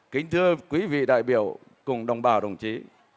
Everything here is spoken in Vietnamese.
kính thưa quý vị đại biểu cùng đồng bào đồng chí